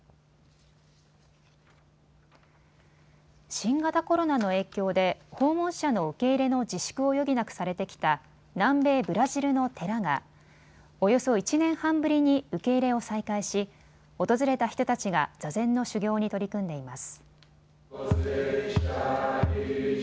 新型コロナの影響で訪問者の受け入れの自粛を余儀なくされてきた南米ブラジルの寺がおよそ１年半ぶりに受け入れを再開し訪れた人たちが座禅の修行に取り組んでいます。